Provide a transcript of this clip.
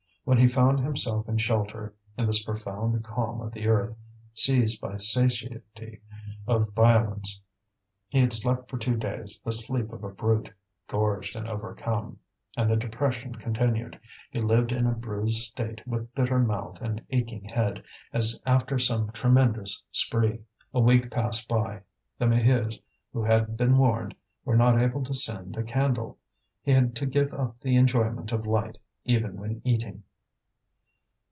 When he found himself in shelter, in this profound calm of the earth, seized by satiety of violence, he had slept for two days the sleep of a brute, gorged and overcome; and the depression continued, he lived in a bruised state with bitter mouth and aching head, as after some tremendous spree. A week passed by; the Maheus, who had been warned, were not able to send a candle; he had to give up the enjoyment of light, even when eating.